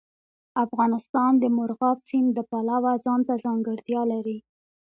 افغانستان د مورغاب سیند د پلوه ځانته ځانګړتیا لري.